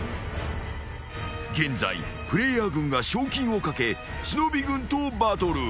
［現在プレイヤー軍が賞金を懸け忍軍とバトル］